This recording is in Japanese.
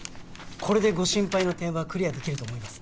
これでご心配の点はクリアできると思います